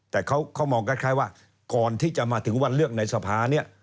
แต่เขามองคล้ายว่าก่อนที่จะมาถึงวันเลือกในสภาเนี่ย